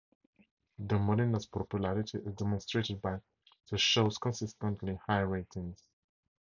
De Molina's popularity is demonstrated by the show's consistently high ratings.